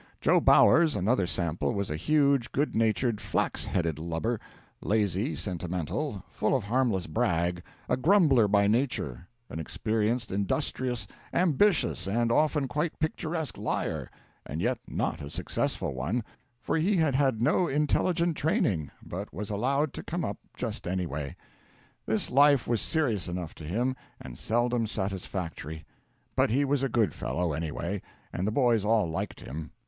Jo Bowers, another sample, was a huge, good natured, flax headed lubber; lazy, sentimental, full of harmless brag, a grumbler by nature; an experienced, industrious, ambitious, and often quite picturesque liar, and yet not a successful one, for he had had no intelligent training, but was allowed to come up just any way. This life was serious enough to him, and seldom satisfactory. But he was a good fellow, anyway, and the boys all liked him.